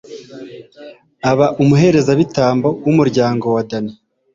aba umuherezabitambo w'umuryango wa dani